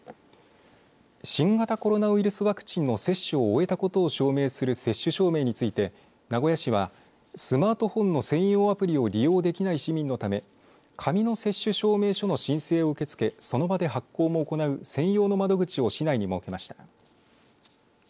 新型コロナウイルスワクチンの接種を終えたことを証明する接種証明について、名古屋市はスマートフォンの専用アプリを利用できない市民のため紙の接種証明書の申請を受け付けその場で発行も行う専用の窓口を市内に設けました。